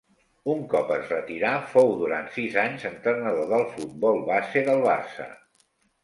Un cop es retirà fou durant sis anys entrenador del futbol base del Barça.